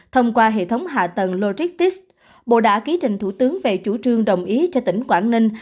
thông qua hệ thống hạ tầng logistics bộ đã ký trình thủ tướng về chủ trương đồng ý cho tỉnh quảng ninh